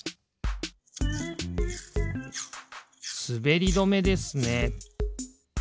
すべりどめですね。